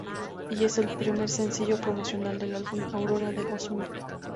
Y es el primer sencillo promocional del álbum Aura de Ozuna.